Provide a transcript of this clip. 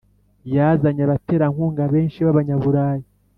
Yazanye abaterankunga benshi b’abanyaburayi